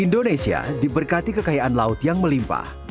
indonesia diberkati kekayaan laut yang melimpah